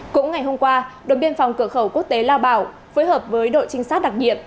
cũng ngày hôm qua đồn biên phòng cửa khẩu quốc tế lao bảo phối hợp với đội trinh sát đặc nhiệm